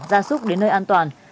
ra xúc đến nơi an toàn